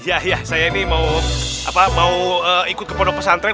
ya saya ini mau ikut ke pondok pesantren